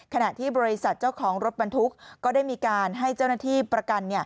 ขณะที่บริษัทเจ้าของรถบรรทุกก็ได้มีการให้เจ้าหน้าที่ประกัน